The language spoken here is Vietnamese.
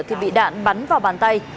thì bị đạn bắn vào bàn tay